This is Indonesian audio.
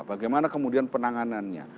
bagaimana kemudian penanganannya